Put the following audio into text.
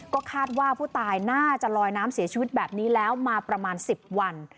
ก็คาดว่าผู้ตายน่าจะลอยน้ำเสียชีวิตแบบนี้แล้วมาประมาณ๑๐วัน